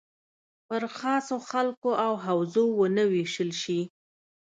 پر خاصو خلکو او حوزو ونه ویشل شي.